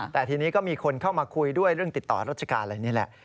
แต่ทีนี้ก็มีคนเข้ามาคุยด้วยเรื่องติดต่อราชการอะไรนี่แหละ